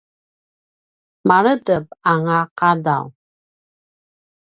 maledep anga a qadaw